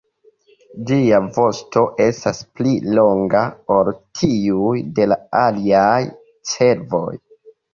Ĝia vosto estas pli longa ol tiuj de la aliaj cervoj.